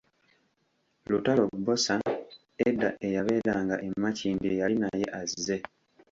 Lutalo-Bosa edda eyabeeranga e Makindye yali naye azze.